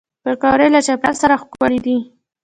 پکورې له چاپېریال سره ښکلي دي